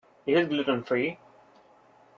Is it gluten-free?